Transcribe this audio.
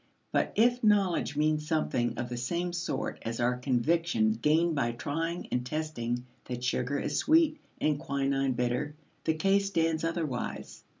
But if knowledge means something of the same sort as our conviction gained by trying and testing that sugar is sweet and quinine bitter, the case stands otherwise.